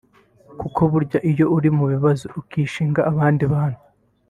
Kuko burya iyo uri mu bibazo ukishinga abandi bantu